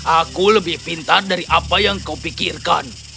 aku lebih pintar dari apa yang kau pikirkan